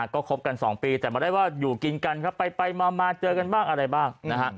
ก็คบกัน๒ปีแต่ไม่ได้ว่าอยู่กินกันครับไปมาเจอกันบ้างอะไรบ้างนะฮะ